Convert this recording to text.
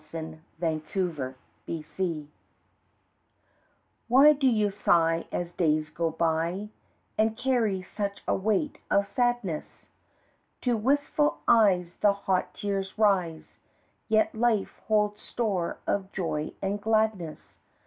Be Good and Glad Why do you sigh as days go by, And carry such a weight of sadness? To wistful eyes, the hot tears rise Yet life holds store of joy and gladness.